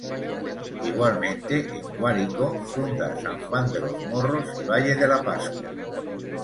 Igualmente en Guárico, funda San Juan de los Morros y Valle de la Pascua.